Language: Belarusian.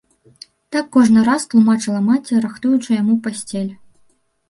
Так кожны раз тлумачыла маці, рыхтуючы яму пасцель.